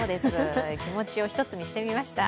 気持ちを一つにしてみました。